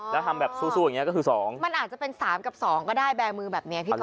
แล้วทำแบบสู้อย่างนี้ก็คือ๒มันอาจจะเป็น๓กับ๒ก็ได้แบร์มือแบบนี้พี่ก